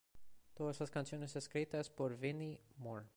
Todas las canciones escritas por Vinnie Moore.